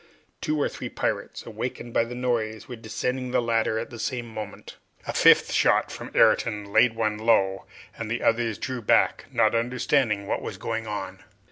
Two or three pirates, awakened by the noise, were descending the ladder at the same moment. A fifth shot from Ayrton laid one low, and the others drew back, not understanding what was going on.